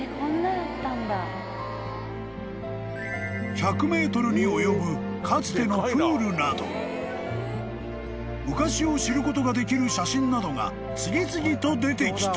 ［１００ｍに及ぶかつてのプールなど昔を知ることができる写真などが次々と出てきた］